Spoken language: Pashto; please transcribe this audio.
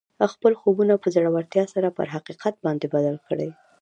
خپل خوبونه په زړورتیا سره پر حقیقت باندې بدل کړئ